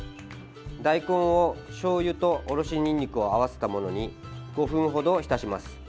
大根をしょうゆとおろしにんにくを合わせたものに５分ほど浸します。